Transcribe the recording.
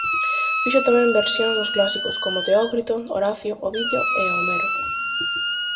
Fixo tamén versións dos clásicos, como Teócrito, Horacio, Ovidio e Homero.